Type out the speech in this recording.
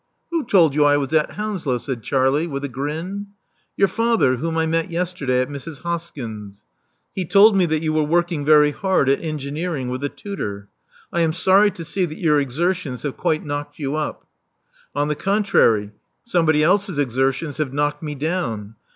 Who told you I was at Hounslow?" said Charlie, with a grin. Your father, whom I met yesterday at Mrs. Hoskyn's. He told me that you were working very hard at engineering with a tutor. I am sorry to see that your exertions have quite knocked you up." On the contrary, somebody else's exertions have knocked me down.